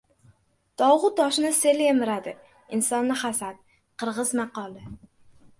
Tog‘u toshni sel yemiradi, insonni — hasad. Qirg‘iz maqoli